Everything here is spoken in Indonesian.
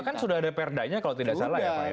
kan sudah ada perdanya kalau tidak salah ya pak ya